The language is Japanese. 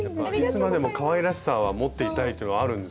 いつまでもかわいらしさは持っていたいというのはあるんですよね。